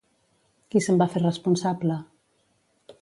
Qui se'n va fer responsable?